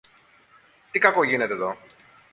Τι κακό γίνεται δω;